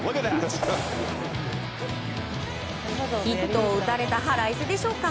ヒットを打たれた腹いせでしょうか。